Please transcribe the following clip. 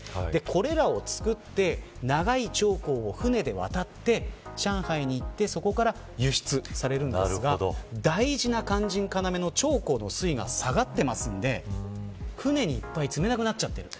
これらを作って長い長江を船で渡って上海に行ってそこから輸出されるんですけど大事な肝心、要の長江の水位が下がっていますので船に積めなくなっちゃってる。